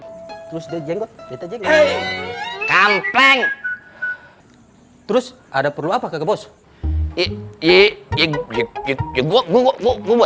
hai terus di jenggot kambang terus ada perlu apa ke bos ii ii ii ii gua gua gua gua